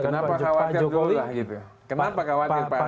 kenapa khawatir dulu lah gitu kenapa khawatir pak refli